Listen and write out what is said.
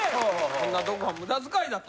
こんなとこが無駄遣いだと。